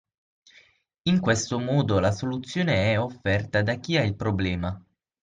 In questo modo la soluzione è offerta da chi ha il problema.